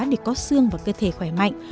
để có xương và cơ thể khỏe mạnh